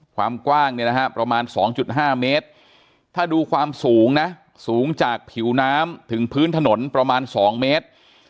ความกว้างเนี่ยนะฮะประมาณ๒๕เมตรถ้าดูความสูงนะสูงจากผิวน้ำถึงพื้นถนนประมาณ๒เมตร